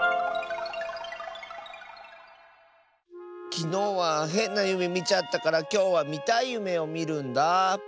きのうはへんなゆめみちゃったからきょうはみたいゆめをみるんだあ。